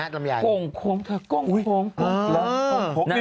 โกงโคมเถอะโกงโคม